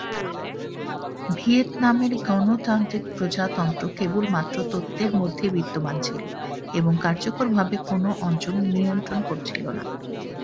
ভিয়েতনামের গণতান্ত্রিক প্রজাতন্ত্র কেবলমাত্র তত্ত্বের মধ্যেই বিদ্যমান ছিল এবং কার্যকরভাবে কোনও অঞ্চল নিয়ন্ত্রণ করছিল না।